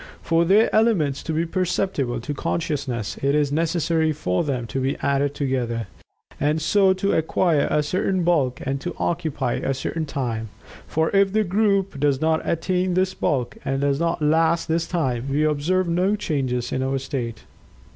For their elements to be perceptible to consciousness, it is necessary for them to be added together, and so to acquire a certain bulk and to occupy a certain time, for if the group does not attain this bulk, and does not last this time, we observe no changes in our state.